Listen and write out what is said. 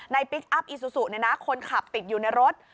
ในพลิกอัพอีซูซูเนี่ยนะคนขับติดอยู่ในรถ